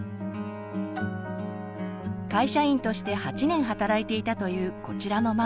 会社員として８年働いていたというこちらのママ。